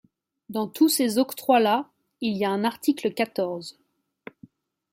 Dans tous ces octrois-là, il y a un article quatorze.